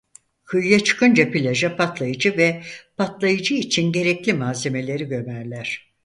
Kıyıya çıkınca plaja patlayıcı ve patlayıcı için gerekli malzemeleri gömerler.